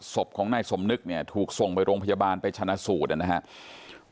ศพของนายสมนึกถูกส่งไปโรงพยาบาลไปชนะสู่นั่นนะครับ